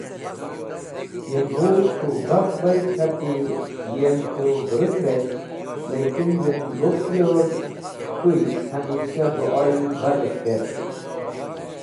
Yem bu k̃hũ baf bayd k̃hati yem k̃hũ vũrũt’rek lekin yem lupyor k̃hũy hamisha du’o-e badhes̃h kert.